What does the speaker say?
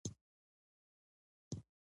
افغانستان د زردالو له پلوه متنوع دی.